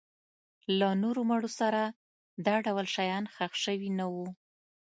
له نورو مړو سره دا ډول شیان ښخ شوي نه وو.